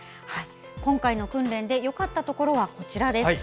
今回の訓練でよかったところはこちらです。